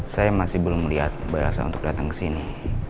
saya masih belum melihat bayasa untuk datang kesini